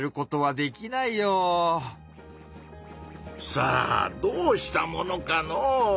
さあどうしたものかのう。